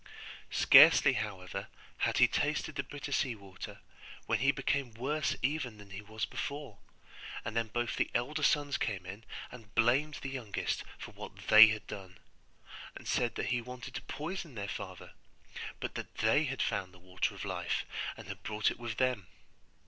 Scarcely, however, had he tasted the bitter sea water when he became worse even than he was before; and then both the elder sons came in, and blamed the youngest for what they had done; and said that he wanted to poison their father, but that they had found the Water of Life, and had brought it with them.